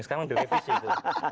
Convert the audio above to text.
sekarang di revisi itu